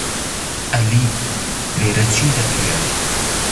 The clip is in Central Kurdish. ئەلی! لێرە چ دەکەیەوە؟